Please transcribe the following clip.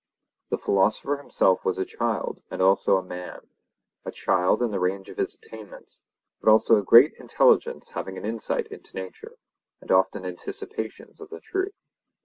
The philosopher himself was a child and also a man—a child in the range of his attainments, but also a great intelligence having an insight into nature, and often anticipations of the truth.